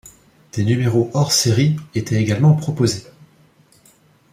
Des numéros hors-série étaient également proposés.